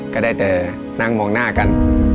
ก็ได้แต่นั่งมองหน้ากัน